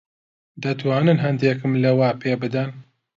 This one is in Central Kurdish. دەتوانن ھەندێکم لەوە پێ بدەن؟